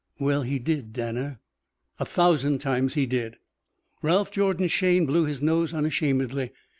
Well, he did, Danner." "A thousand times he did." Ralph Jordan Shayne blew his nose unashamedly.